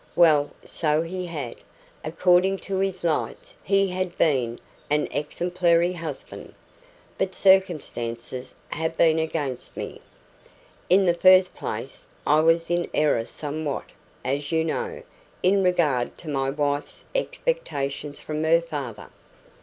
Well, so he had; according to his lights he had been an exemplary husband. "But circumstances have been against me. In the first place, I was in error somewhat, as you know, in regard to my wife's expectations from her father.